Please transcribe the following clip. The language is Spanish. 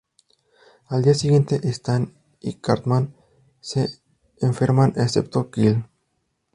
Al día siguiente Stan y Cartman se enferman excepto Kyle.